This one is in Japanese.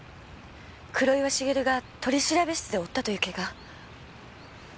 黒岩繁が取調室で負ったというケガ。